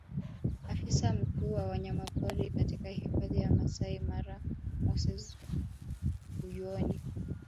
Afisa mkuu wa wanyamapori katika hifadhi ya Maasai Mara Moses Kuyuoni